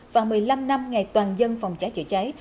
và một mươi năm năm ngày toàn dân phòng cháy chữa cháy